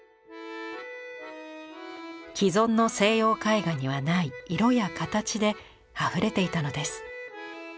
既存の西洋絵画にはない色や形であふれていたのです。